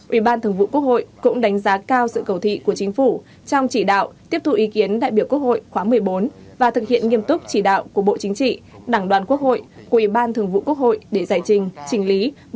ủy ban thường vụ quốc hội cũng đánh giá cao sự cầu thị của chính phủ trong chỉ đạo tiếp thu ý kiến đại biểu quốc hội khóa một mươi bốn và thực hiện nghiêm túc chỉ đạo của bộ chính trị đảng đoàn quốc hội của ủy ban thường vụ quốc hội để giải trình chỉnh lý bổ sung hai dự án luật